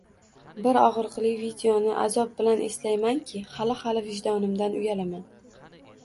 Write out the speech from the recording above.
Bir og'riqli voqeani azob bilan eslaymanki, xali xali vijdonimdan uyalaman